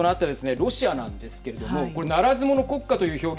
ロシアなんですけれどもこれ、ならず者国家という表現